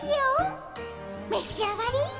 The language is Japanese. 召し上がれ。